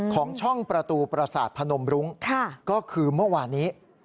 ของช่องประตูประสาทพนมรุ้งก็คือเมื่อวานนี้